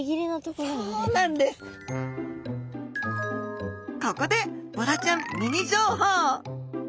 ここでボラちゃんミニ情報。